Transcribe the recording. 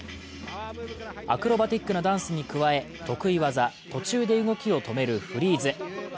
アクロバティックなダンスに加え得意技、途中で動きを止めるフリーズ。